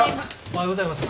おはようございます。